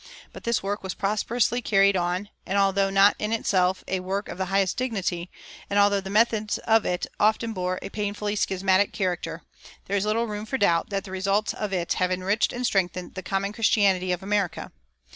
But this work was prosperously carried on; and although not in itself a work of the highest dignity, and although the methods of it often bore a painfully schismatic character, there is little room for doubt that the results of it have enriched and strengthened the common Christianity of America.